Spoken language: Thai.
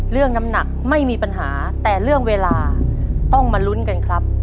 น้ำหนักไม่มีปัญหาแต่เรื่องเวลาต้องมาลุ้นกันครับ